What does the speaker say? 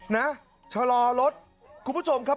น่ะเฉล่ารถคุณผู้ชมครับ